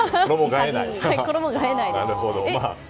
衣替えないです。